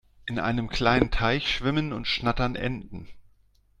In einem kleinen Teich schwimmen und schnattern Enten.